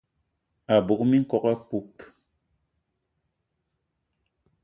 A bug minkok apoup